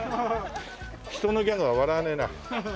人のギャグは笑わねえな。